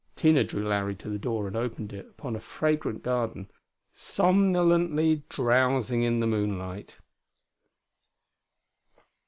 Tina drew Larry to the door and opened it upon a fragrant garden, somnolently drowsing in the moonlight.